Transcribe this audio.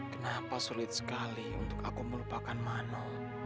kenapa sulit sekali untuk aku melupakan mana